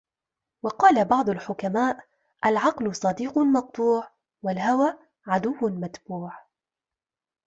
وَقَالَ بَعْضُ الْحُكَمَاءِ الْعَقْلُ صَدِيقٌ مَقْطُوعٌ ، وَالْهَوَى عَدُوٌّ مَتْبُوعٌ